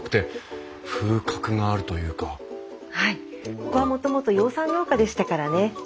ここはもともと養蚕農家でしたからね。